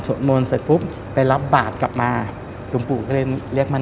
มนต์เสร็จปุ๊บไปรับบาทกลับมาหลวงปู่ก็เลยเรียกมัน